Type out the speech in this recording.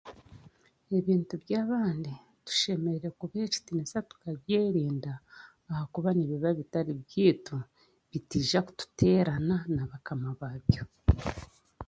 ebintu by'abandi tushemereire kubiha ekitiinisa n'okubyerinda ahakuba nibiba bitari byaitu bitiija kututeerana na bakama baabyo.